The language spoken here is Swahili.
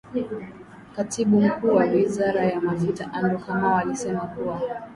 Katibu Mkuu wa Wizara ya Mafuta Andrew Kamau alisema kuwa.